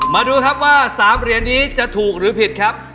มาดูครับว่า๓เหรียญนี้จะถูกหรือผิดครับ